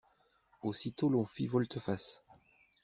Aussitôt l'on fit volte-face.